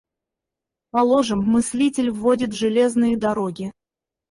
Положим, мыслитель вводит железные дороги.